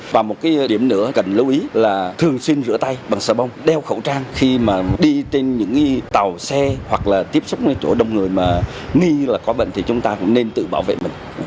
và một điểm nữa cần lưu ý là thường xuyên rửa tay bằng sờ bông đeo khẩu trang khi đi trên những tàu xe hoặc tiếp xúc với chỗ đông người mà nghi là có bệnh thì chúng ta cũng nên tự bảo vệ mình